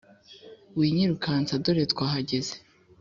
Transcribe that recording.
Winyirukansa dore twahageze